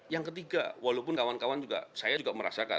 yang ketiga walaupun kawan kawan juga saya juga merasakan